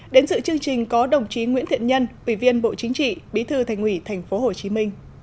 đến sự chương trình có đồng chí nguyễn thiện nhân ủy viên bộ chính trị bí thư thành ủy tp hcm